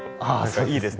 いいですね